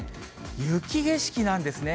雪景色なんですね。